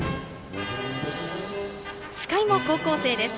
司会も高校生です。